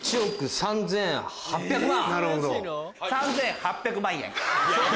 ３８００万円？